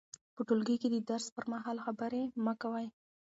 په ټولګي کې د درس پر مهال خبرې مه کوئ.